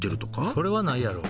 それはないやろ。